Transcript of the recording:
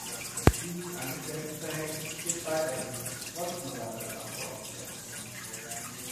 Dieses Angestelltenverhältnis besteht weiterhin, trotz Mandat als Abgeordneter.